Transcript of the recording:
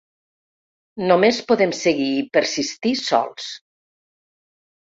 Només podem seguir i persistir sols.